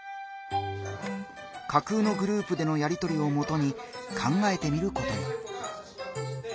架空のグループでのやりとりをもとに考えてみることに。